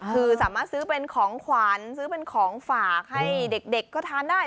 คือสามารถซื้อเป็นของขวัญซื้อเป็นของฝากให้เด็กก็ทานได้